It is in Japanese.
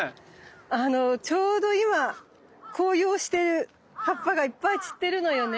あのちょうど今紅葉して葉っぱがいっぱい散ってるのよね。